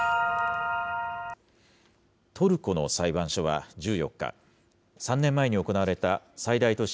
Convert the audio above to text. トルコの裁判所は１４日、３年前に行われた最大都市